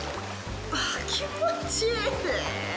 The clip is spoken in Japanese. わあ、気持ちいい。